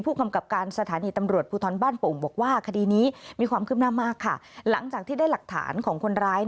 ผมก็บอกเขาว่าถ้าอยากได้อะไรอะไรอย่างนี้